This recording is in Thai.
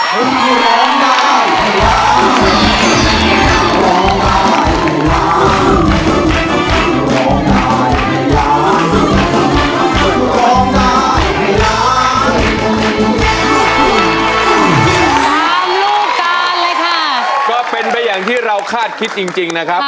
ลูกตานเลยค่ะก็เป็นไปอย่างที่เราคาดคิดจริงนะครับ